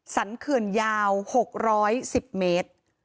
เขื่อนยาว๖๑๐เมตร